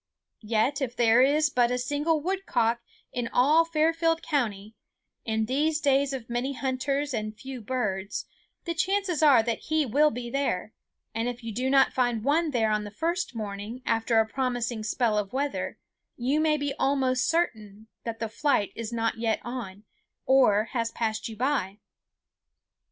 Yet if there is but a single woodcock in all Fairfield County, in these days of many hunters and few birds, the chances are that he will be there; and if you do not find one there on the first morning after a promising spell of weather, you may be almost certain that the flight is not yet on, or has passed you by.